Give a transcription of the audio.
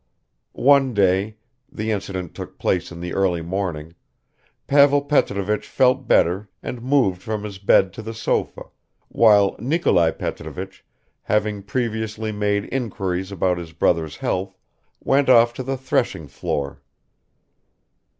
One day the incident took place in the early morning Pavel Petrovich felt better and moved from his bed to the sofa, while Nikolai Petrovich, having previously made inquiries about his brother's health, went off to the threshing floor.